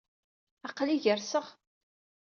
Aql-i gerseɣ.